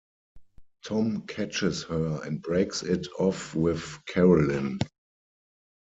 Tom catches her and breaks it off with Carolyn.